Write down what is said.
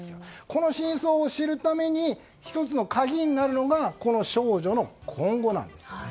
この真相を知るために１つの鍵になるのがこの少女の今後なんです。